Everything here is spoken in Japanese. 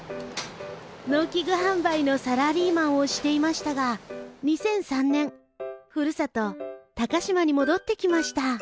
農機具販売のサラリーマンをしていましたが２００３年ふるさと鷹島に戻ってきました。